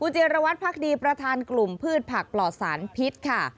เจรวัตรพักดีประธานกลุ่มพืชผักปลอดสารพิษค่ะ